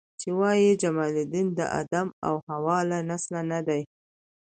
چې وایي جمال الدین د آدم او حوا له نسله نه دی.